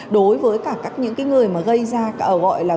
đối với các người gây ra gọi là vụ bạo lực